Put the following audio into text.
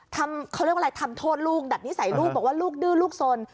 เขาเรียกว่าอะไรทำโทษลูกดัดนิสัยลูกบอกว่าลูกดื้อลูกสน